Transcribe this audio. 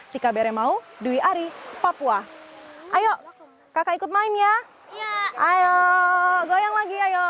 tika bere mau dwi ari papua